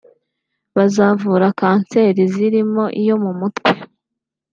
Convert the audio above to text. Bazavura kanseri zirimo iyo mu mutwe